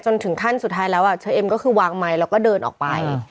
ถึงขั้นสุดท้ายแล้วเชอเอ็มก็คือวางไมค์แล้วก็เดินออกไป